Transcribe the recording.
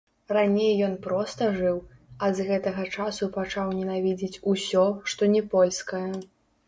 Раней ён проста жыў, а з гэтага часу пачаў ненавідзець усё, што не польскае.